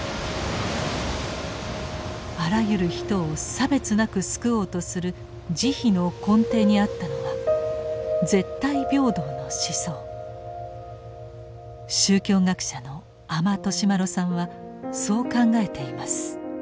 あらゆる人を差別なく救おうとする「慈悲」の根底にあったのは絶対平等の思想宗教学者の阿満利麿さんはそう考えています。